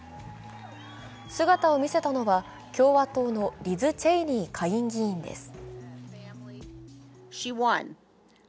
姿を見せたのは、共和党のリズ・チェイニー下院議員です。